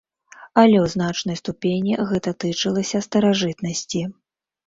Але ў значнай ступені гэта тычылася старажытнасці.